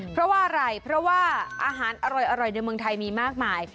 เพราะว่าอะไรเพราะว่าอาหารอร่อยในเมืองไทยมีมากมาย